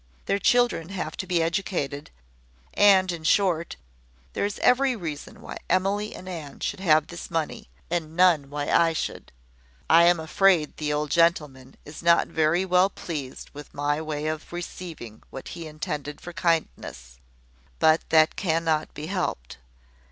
Their children have to be educated; and in short, there is every reason why Emily and Anne should have this money, and none why I should. I am afraid the old gentleman is not very well pleased with my way of receiving what he intended for kindness; but that cannot be helped.